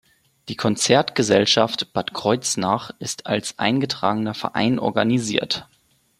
Die Konzertgesellschaft Bad Kreuznach ist als eingetragener Verein organisiert.